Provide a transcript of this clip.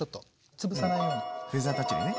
つぶさないようにフェザータッチでね。